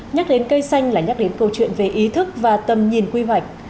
nhắc đến cây xanh là nhắc đến câu chuyện về ý thức và tầm nhìn quy hoạch